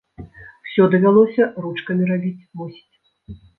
Усё давялося ручкамі рабіць, мусіць.